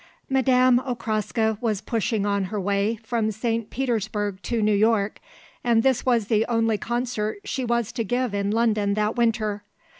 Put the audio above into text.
Madame Okraska was pausing on her way from St. Petersburg to New York and this was the only concert she was to give in London that winter.